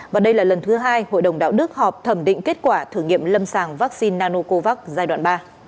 và đây là lần thứ hai hội đồng đạo đức họp thẩm định kết quả thử nghiệm lâm sàng vaccine nanocovax giai đoạn ba